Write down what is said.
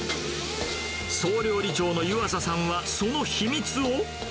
総料理長の湯浅さんは、その秘密を。